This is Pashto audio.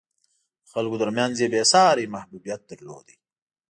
د خلکو ترمنځ یې بېساری محبوبیت درلود.